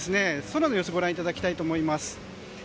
空の様子をご覧いただきたいと思います。